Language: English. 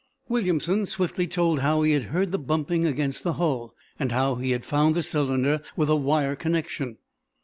Williamson swiftly told how he had heard the bumping against the hull, and how he had found the cylinder, with a wire connection.